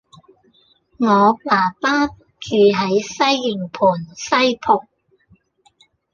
我爸爸住喺西營盤西浦